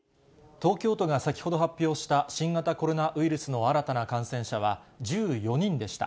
東京都が先ほど発表した新型コロナウイルスの新たな感染者は１４人でした。